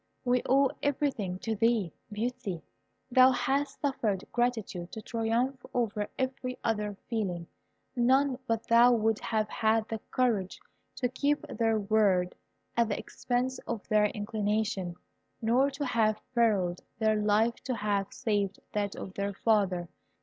"We owe everything to thee, Beauty. Thou hast suffered gratitude to triumph over every other feeling. None but thou would have had the courage to keep their word at the expense of their inclination, nor to have perilled their life to have saved that of their father.